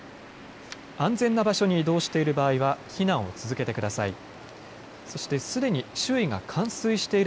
安全な場所に移動している場合は避難を続けてください。